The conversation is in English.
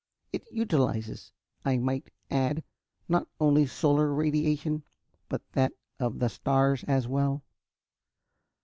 It utilizes, I might add, not only solar radiation but that of the stars as well.